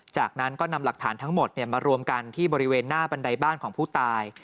จากนั้นก็นำหลักฐานทั้งหมดมารวมกันที่บริเวณหน้าบันไดบ้านของผู้ตาย